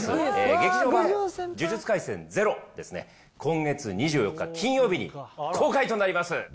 劇場版呪術廻戦０ですね、今月２４日金曜日に公開となります。